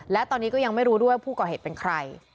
และตอนนี้ก็ยังไม่รู้ด้วยผู้ก่อเหตุเป็นใคร